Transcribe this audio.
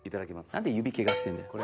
何で指ケガしてんだよ？